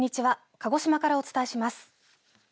鹿児島からお伝えします。